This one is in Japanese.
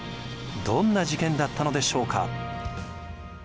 どんな事件だったのでしょうか。